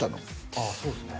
ああそうですね